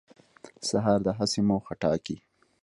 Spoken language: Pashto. سهار د هڅې موخه ټاکي.